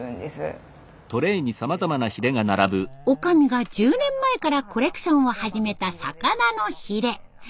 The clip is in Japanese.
おかみが１０年前からコレクションを始めた魚のヒレ。